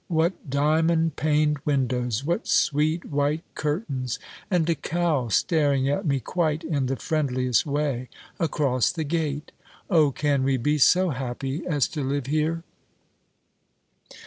what diamond paned windows! what sweet white curtains! and a cow staring at me quite in the friendliest way across the gate! O, can we be so happy as to live here?"